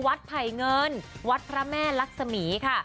ไผ่เงินวัดพระแม่ลักษมีค่ะ